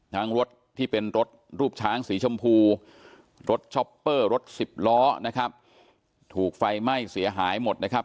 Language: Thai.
รถที่เป็นรถรูปช้างสีชมพูรถช็อปเปอร์รถสิบล้อนะครับถูกไฟไหม้เสียหายหมดนะครับ